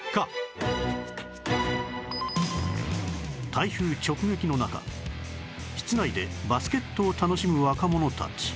台風直撃の中室内でバスケットを楽しむ若者たち